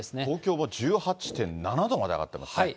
東京も１８．７度まで上がっています。